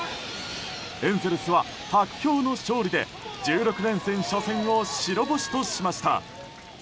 エンゼルスは薄氷の勝利で１６連戦初戦を白星としました。